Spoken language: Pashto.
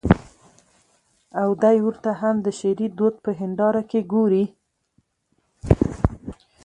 او دى ورته هم د شعري دود په هېنداره کې ګوري.